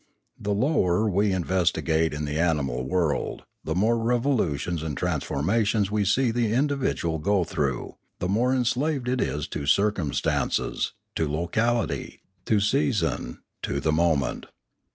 The lower we investi gate in the animal world, the more revolutions and transformations we see the individual go through, the more enslaved is it to circumstances, to locality, to 618 Limanora season, to the moment.